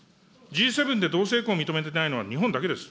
Ｇ７で同性婚を認めてないのは日本だけです。